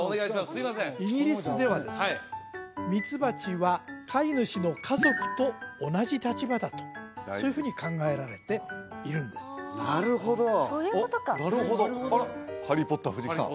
すいませんイギリスではですねミツバチは飼い主の家族と同じ立場だとそういうふうに考えられているんですなるほどそういうことかあらハリー・ポッター藤木さん